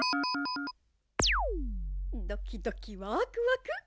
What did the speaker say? ドキドキワクワク。